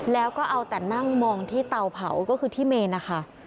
แล้วก็เอาแต่นั่งมองที่เตาเผาก็คือที่เมนนะคะ